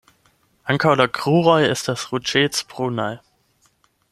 Ankaŭ la kruroj estas ruĝecbrunaj.